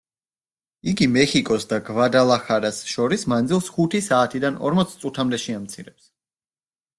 იგი მეხიკოს და გვადალახარას შორის მანძილს ხუთი საათიდან ორმოც წუთამდე შეამცირებს.